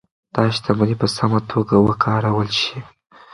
دا شتمني باید په سمه توګه وکارول شي.